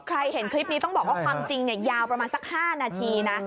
เห็นคลิปนี้ต้องบอกว่าความจริงยาวประมาณสัก๕นาทีนะ